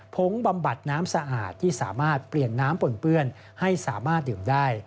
งบำบัดน้ำสะอาดที่สามารถเปลี่ยนน้ำปนเปื้อนให้สามารถดื่มได้